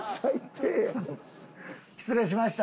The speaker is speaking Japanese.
失礼しました。